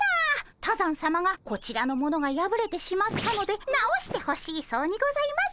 多山さまがこちらのものがやぶれてしまったので直してほしいそうにございます。